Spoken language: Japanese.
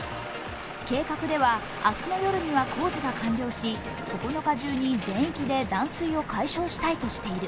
計画では明日の夜には工事が完了し、９日中に全域で断水を解消したいとしている。